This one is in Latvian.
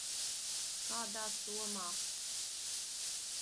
Kādā somā?